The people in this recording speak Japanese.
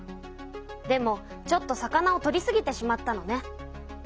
でもちょっと魚を取りすぎてしまったのね。